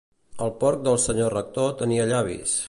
El porc del senyor rector tenia llavis.